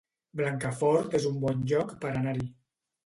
Blancafort es un bon lloc per anar-hi